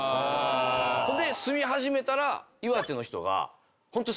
ほんで住み始めたら岩手の人が。